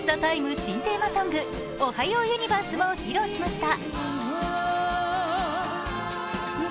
新テーマソング、「おはようユニバース」も披露しました。